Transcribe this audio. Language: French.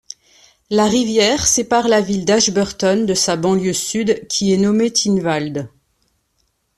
La rivière sépare la ville d’Ashburton de sa banlieue sud qui est nommée Tinwald.